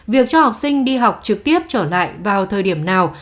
việc cho học sinh đi học trực tiếp trở lại vào thời điểm nào